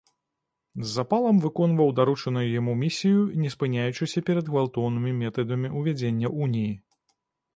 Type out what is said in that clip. З запалам выконваў даручаную яму місію, не спыняючыся перад гвалтоўнымі метадамі ўвядзення уніі.